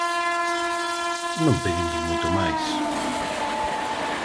Non pedimos moito máis.